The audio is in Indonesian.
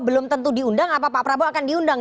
belum tentu diundang apa pak prabowo akan diundang